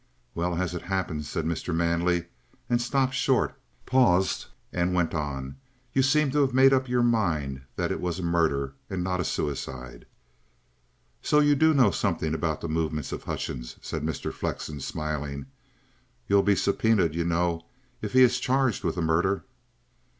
"Well, as it happens," said Mr. Manley and stopped short, paused, and went on: "You seem to have made up your mind that it was a murder and not a suicide." "So you do know something about the movements of Hutchings," said Mr. Flexen, smiling. "You'll be subpoenaed, you know, if he is charged with the murder."